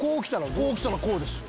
こうきたらこうですよ。